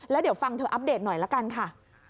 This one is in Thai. แล้วเดี๋ยวฟังเธออัปเดตหน่อยละกันค่ะ